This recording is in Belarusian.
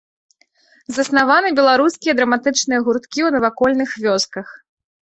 Заснаваны беларускія драматычныя гурткі ў навакольных вёсках.